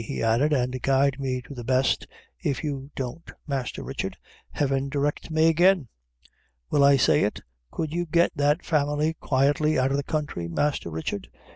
he added, "an' guide me to the best if you don't, Masther Richard Heaven direct me agin! will I say it? could you get that family quietly out of the counthry, Masther Richard?